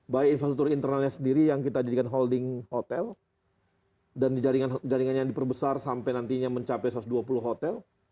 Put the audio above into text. baik infrastruktur internalnya sendiri yang kita jadikan holding hotel dan jaringannya yang diperbesar sampai nantinya mencapai satu ratus dua puluh hotel